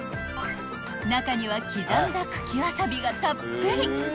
［中には刻んだ茎わさびがたっぷり！］